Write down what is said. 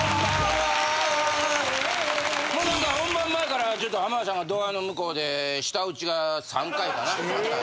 もう何か本番前からちょっと浜田さんがドアの向こうで舌打ちが３回かな？